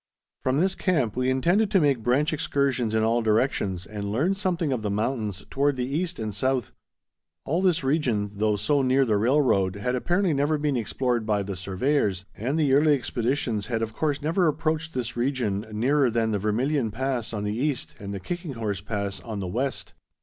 From this camp we intended to make branch excursions in all directions and learn something of the mountains toward the east and south. All this region, though so near the railroad, had apparently never been explored by the surveyors, and the early expeditions had of course never approached this region nearer than the Vermilion Pass on the east and the Kicking Horse Pass on the west.